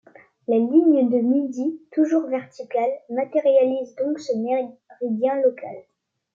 La ligne de midi, toujours verticale, matérialise donc ce méridien local.